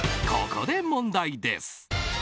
ここで問題です。